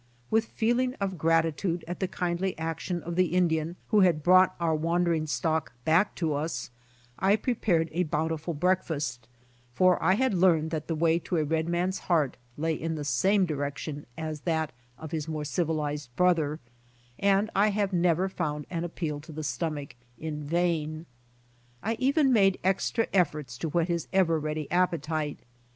With feeling of gratitude at the kindly action of the Indian, who had brought our wandering stock back to us, I pre pared a bountiful breakfast, for I had learned that the way to a red man's heart lay in the same direction as that of his more civilized brother, and I have never found an appeal to the stomach in vain. I even made extra eff'orts to whet his ever ready appetite.